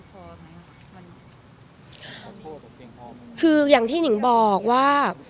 มันรู้สึกว่าเรารู้สึกว่าเพียงพอไหมอ่ะคืออย่างที่หนึ่งบอกว่า